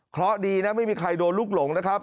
เพราะดีนะไม่มีใครโดนลูกหลงนะครับ